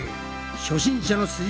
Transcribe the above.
初心者のす